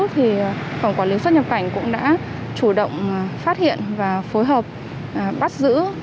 thì phòng quản lý xuất nhập cảnh cũng đã chủ động phát hiện và phối hợp bắt giữ